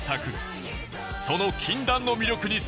その禁断の魅力に迫る！